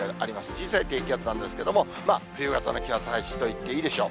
小さい低気圧なんですけれども、冬型の気圧配置といっていいでしょう。